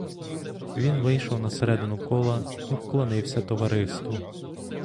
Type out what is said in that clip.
Він вийшов на середину кола і вклонився товариству.